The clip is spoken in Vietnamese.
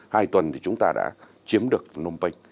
hai tuần thì chúng ta đã chiếm được nông vinh